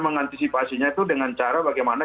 mengantisipasinya itu dengan cara bagaimana